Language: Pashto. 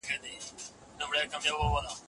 ټولنه د فکري ثبات لپاره هڅه کوي.